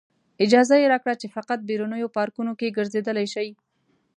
اجازه یې راکړه چې فقط بیرونیو پارکونو کې ګرځېدلی شئ.